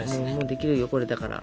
できるよこれだから。